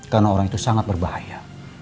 karena orang itu sangat berbahaya